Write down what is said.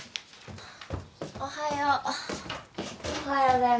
おはよう。